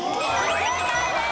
正解です！